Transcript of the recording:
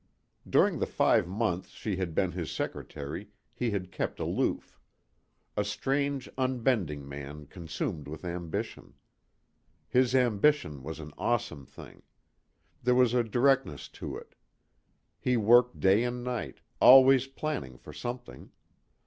During the five months she had been his secretary he had kept aloof. A strange, unbending man consumed with ambition. His ambition was an awesome thing. There was a directness to it. He worked day and night, always planning for something.